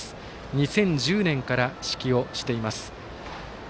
２０１０年から指揮をしています。